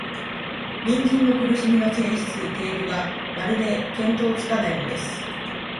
隣人の苦しみの性質、程度が、まるで見当つかないのです